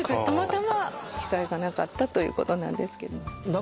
たまたま機会がなかったということなんですけど。